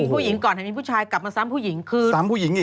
ยิงผู้หญิงก่อนให้มีผู้ชายกลับมาซ้ำผู้หญิงคือ